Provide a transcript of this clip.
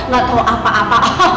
gak tau apa apa